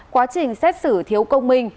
quá trình xét xử thiếu công minh